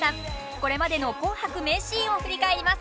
これまでの「紅白」名シーンを振り返ります。